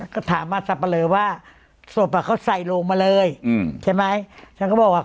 ก็ถามมาสับปะเลอว่าศพอ่ะเขาใส่ลงมาเลยอืมใช่ไหมฉันก็บอกว่า